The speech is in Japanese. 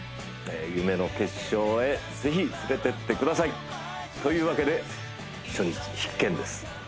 夢の決勝へぜひ連れてってくださいというわけで初日必見です